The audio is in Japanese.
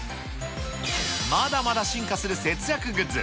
まだまだ進化する節約グッズ。